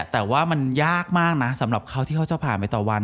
แต่ว่ามันยากมากนะสำหรับเขาที่เขาจะผ่านไปต่อวัน